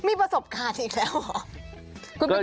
มีประสบการณ์อีกแล้วเหรอ